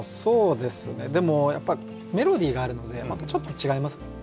でもやっぱメロディーがあるのでまたちょっと違いますね。